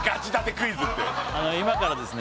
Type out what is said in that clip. クイズって今からですね